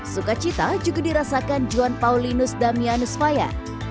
suka cita juga dirasakan juan paulinus damianus faya